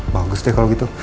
bagus deh kalau gitu